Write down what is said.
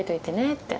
って。